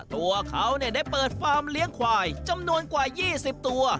ตัวเขาได้เปิดฟาร์มเลี้ยงควายจำนวนกว่า๒๐ตัว